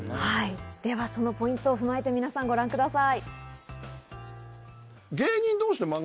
ではそのポイントを踏まえて、皆さんご覧ください。